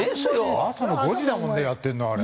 朝の５時だもんねやってるのあれ。